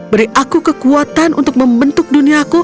beri aku kekuatan untuk membentuk duniaku